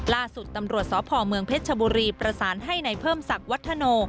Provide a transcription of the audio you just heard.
ล่าสุดตำรวจสพเมืองเพชรชบุรีประสานให้ในเพิ่มศักดิ์วัฒโน